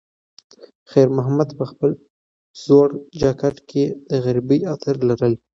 خیر محمد په خپل زوړ جاکټ کې د غریبۍ عطر لرل.